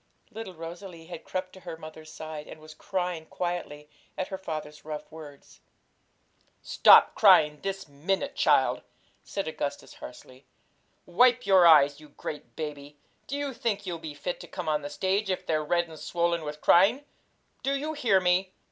Little Rosalie had crept to her mother's side, and was crying quietly at her father's rough words. 'Stop crying this minute, child!' said Augustus harshly. 'Wipe your eyes, you great baby! Do you think you'll be fit to come on the stage if they're red and swollen with crying? Do you hear me?